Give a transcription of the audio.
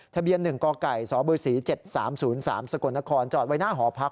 ทะเบียน๑กสศ๗๓๐๓สกนจอดไว้หน้าหอพัก